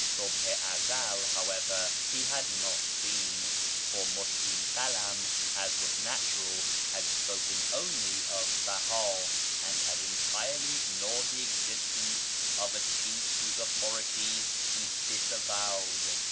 Subh i Ezel, however, he had not seen; for Mushkín Kalam, as was natural, had spoken only of Behá, and had entirely ignored the existence of a chief whose authority he disavowed.